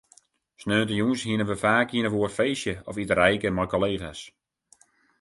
Sneontejûns hiene we faak ien of oar feestje of iterijke mei kollega's.